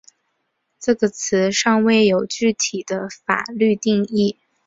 这个词尚未有具体的法律定义。